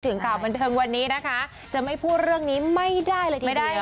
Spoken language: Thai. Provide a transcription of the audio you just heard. ถึงกล่ามนี้นะคะจะไม่พูดเรื่องนี้ไม่ได้เลยทีเดียว